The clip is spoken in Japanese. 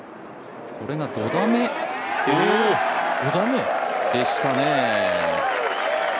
これが５打目でしたね。